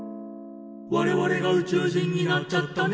「我々が宇宙人になっちゃったね」